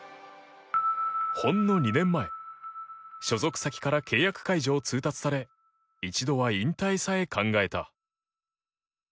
ほんの２年前所属先から契約解除を通達され一度は引退さえ考えた。